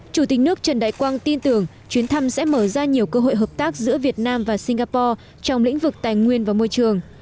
chủ tịch nước trần đại quang tin tưởng chuyến thăm sẽ mở ra nhiều cơ hội hợp tác giữa việt nam và singapore trong lĩnh vực tài nguyên và môi trường